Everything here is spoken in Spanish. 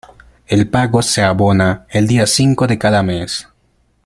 El pago se abona el día cinco de cada mes.